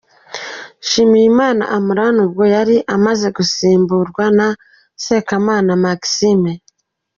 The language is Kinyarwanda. Nshimiyimana Imran ubwo yari amaze gusimburwa na Sekamana Maxime.